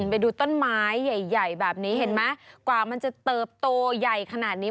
ไปดูต้นไม้ใหญ่แบบนี้เห็นไหมกว่ามันจะเติบโตใหญ่ขนาดนี้